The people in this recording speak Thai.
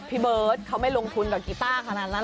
พี่เบิร์ตเขาไม่ลงทุนกับกีต้าขนาดนั้น